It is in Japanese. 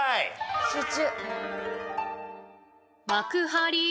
集中！